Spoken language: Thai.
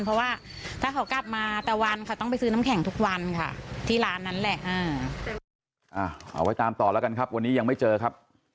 เพราะว่าถ้าเขากลับมาแต่วันเขาต้องไปซื้อน้ำแข็งทุกวันค่ะ